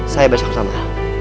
saya basahkan sama